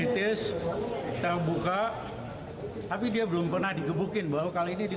tidak ada yang pernah dikepukkan